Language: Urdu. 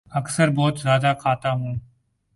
اکثر بہت زیادہ کھاتا ہوں